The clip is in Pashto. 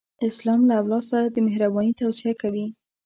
اسلام له اولاد سره د مهرباني توصیه کوي.